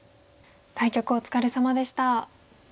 対局お疲れさまでした。